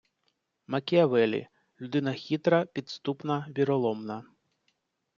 Макіавеллі - людина хитра, підступна, віроломна